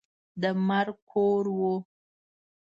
د مرګ کور وو.